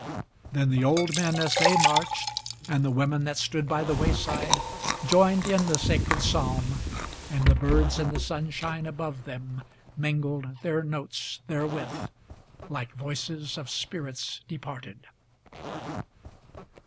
Then the old men, as they marched, and the women that stood by the wayside Joined in the sacred psalm, and the birds in the sunshine above them Mingled their notes therewith, like voices of spirits departed.